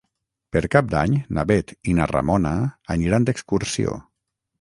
Per Cap d'Any na Bet i na Ramona aniran d'excursió.